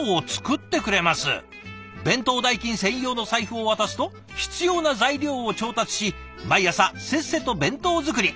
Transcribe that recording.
弁当代金専用の財布を渡すと必要な材料を調達し毎朝せっせと弁当作り。